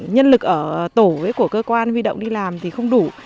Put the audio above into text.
nhân lực ở tổ của cơ quan huy động đi làm thì không đủ